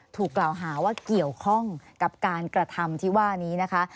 ถูกกล่าวหาว่าเกี่ยวข้องกับการกระทำที่ว่านี้นะคะ